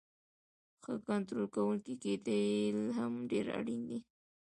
ښه کنټرول کوونکی کیدل هم ډیر اړین دی.